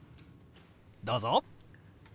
どうぞ！